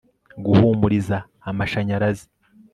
guhumuriza amashanyarazi